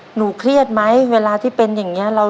หนูเครียดไหมเวลาที่เป็นอย่างนี้